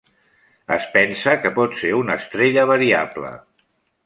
Es pensa que pot ser una estrella variable.